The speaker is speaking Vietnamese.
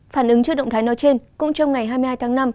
phản ứng trước động thái nói trên cũng trong ngày hai mươi hai tháng năm